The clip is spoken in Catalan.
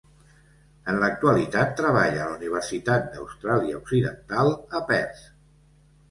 En l'actualitat treballa a la Universitat d'Austràlia Occidental a Perth.